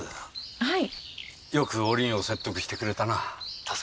はい。